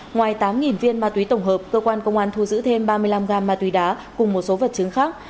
ngoài tám viên ma túy tổng hợp cơ quan công an thu giữ thêm ba mươi năm gam ma túy đá cùng một số vật chứng khác